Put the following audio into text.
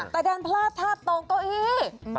แต่ดันพลาดท่าตรงเก้าอี้